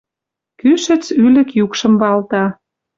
Кӱшӹц ӱлӹк юкшым валта